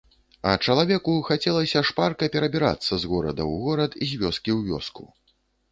А чалавеку хацелася шпарка перабірацца з горада ў горад, з вёскі ў вёску.